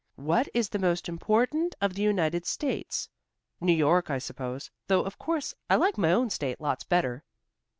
"'What is the most important of the United States?' New York, I suppose, though of course I like my own state lots better."